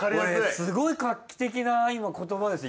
すごい画期的な今言葉ですね